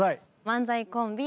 漫才コンビ